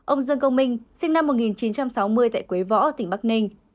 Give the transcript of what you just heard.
ông dương công minh sinh năm một nghìn chín trăm sáu mươi tại quế võ tỉnh bắc ninh